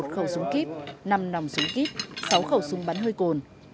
một mươi một khẩu súng kíp năm nòng súng kíp sáu khẩu súng bắn hơi cồn